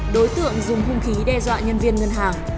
đối tượng dùng hung khí đe dọa nhân viên ngân hàng